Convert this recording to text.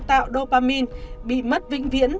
tạo dopamine bị mất vĩnh viễn